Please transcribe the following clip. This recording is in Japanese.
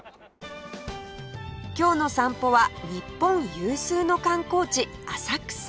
今日の散歩は日本有数の観光地浅草